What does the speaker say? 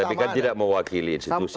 tapi kan tidak mewakili institusi